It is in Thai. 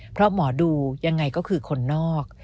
เพราะหมอดูยังไงก็คือคนนอก